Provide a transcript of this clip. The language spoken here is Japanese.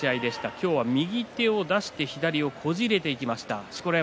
今日は右手を出して左をこじ入れていきました。